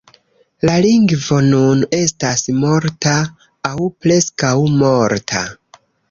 La lingvo nun estas morta aŭ preskaŭ morta.